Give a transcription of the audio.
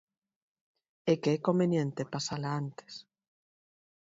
É que é conveniente pasala antes.